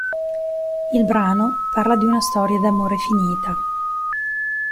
Il brano parla di una storia d'amore finita.